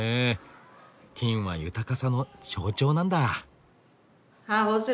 金は豊かさの象徴なんだ。